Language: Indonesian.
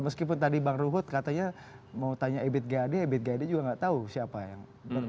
meskipun tadi bang ruhut katanya mau tanya ebit gad ebit gad juga nggak tahu siapa yang